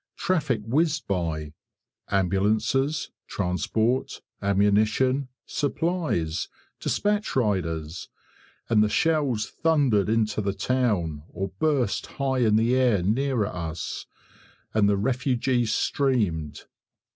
Traffic whizzed by ambulances, transport, ammunition, supplies, despatch riders and the shells thundered into the town, or burst high in the air nearer us, and the refugees streamed.